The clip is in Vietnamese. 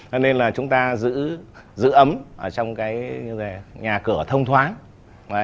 cho nên là chúng ta giữ ấm trong cái nhà cửa thông thoáng